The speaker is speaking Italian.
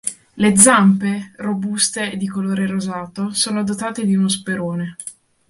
Le zampe, robuste e di colore rosato, sono dotate di uno sperone.